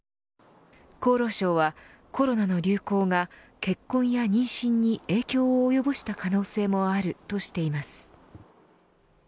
厚労省はコロナの流行が結婚や妊娠に影響をおよぼした可能性もあるとしています。